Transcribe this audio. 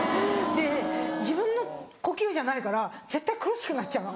・自分の呼吸じゃないから絶対苦しくなっちゃうの。